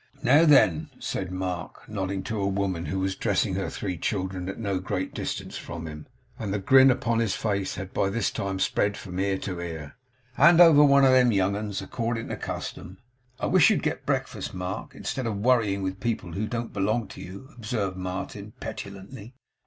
'Now, then,' said Mark, nodding to a woman who was dressing her three children at no great distance from him and the grin upon his face had by this time spread from ear to ear 'Hand over one of them young 'uns according to custom.' 'I wish you'd get breakfast, Mark, instead of worrying with people who don't belong to you,' observed Martin, petulantly.